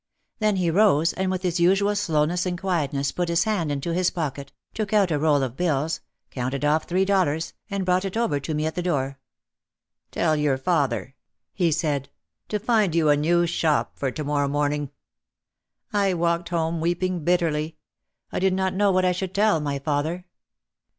Then he rose and with his usual slowness and quiet ness put his hand into his pocket, took out a roll of bills, counted off three dollars, and brought it over to me at the door. "Tell your father," he said, "to find you a new shop for to morrow morning." I walked home weeping bitterly. I did not know what I should tell my father.